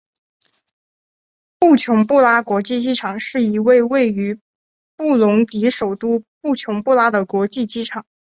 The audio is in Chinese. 布琼布拉国际机场是一位位于布隆迪首都布琼布拉的国际机场。